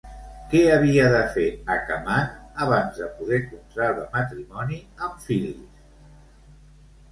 Què havia de fer Acamant abans de poder contraure matrimoni amb Fil·lis?